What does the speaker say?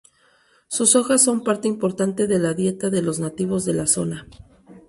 Sus hojas son parte importante de la dieta de los nativos de la zona.